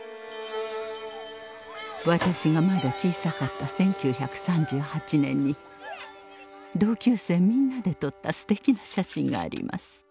私がまだ小さかった１９３８年に同級生みんなで撮ったすてきな写真があります。